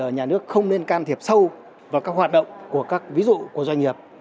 nhà nước không nên can thiệp sâu vào các hoạt động của các ví dụ của doanh nghiệp